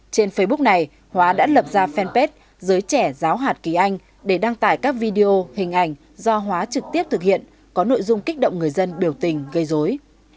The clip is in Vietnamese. trên facebook này hóa đã lập ra fanpage giới trẻ giáo hạt ký anh để đăng tải các video hình ảnh do hóa trực tiếp thực hiện có nội dung kích động người dân biểu tình gây dối